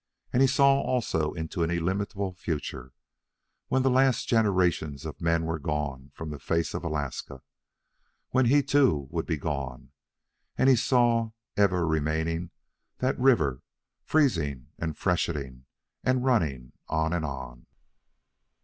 And he saw also into an illimitable future, when the last generations of men were gone from off the face of Alaska, when he, too, would be gone, and he saw, ever remaining, that river, freezing and fresheting, and running on and on.